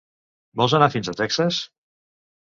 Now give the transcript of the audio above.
Vols anar fins a Texas?